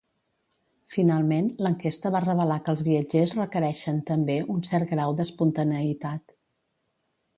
Finalment, l'enquesta va revelar que els viatgers requereixen també un cert grau d'espontaneïtat.